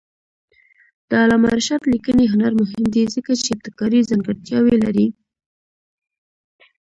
د علامه رشاد لیکنی هنر مهم دی ځکه چې ابتکاري ځانګړتیاوې لري.